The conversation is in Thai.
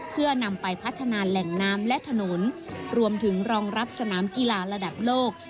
เพื่อนำไปพัฒนาแหล่งน้ำและถนนรวมถึงรองรับสนามกีฬาระดับโลก